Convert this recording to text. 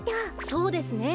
そうですね。